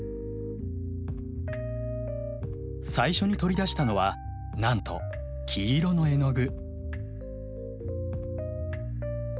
最初に取り出したのはなんと黄色の絵の具。